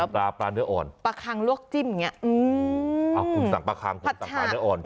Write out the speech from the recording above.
ปลาปลาเนื้ออ่อนปลาคังลวกจิ้มอย่างเงี้อืมเอาคุณสั่งปลาคังคุณสั่งปลาเนื้ออ่อน